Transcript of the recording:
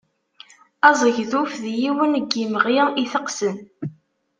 Azegḍuf d yiwen n yimɣi iteqsen.